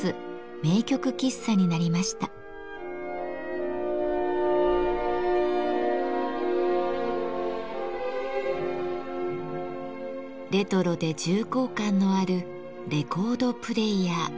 レトロで重厚感のあるレコードプレーヤー。